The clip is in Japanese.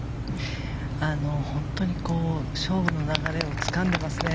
本当に勝負の流れをつかんでますね。